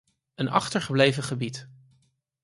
Een achtergebleven gebied.